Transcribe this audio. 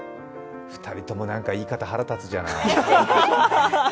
２人とも、何か言い方、腹立つじゃない。